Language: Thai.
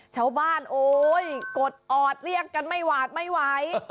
โอ๊ยกดออดเรียกกันไม่หวาดไม่ไหว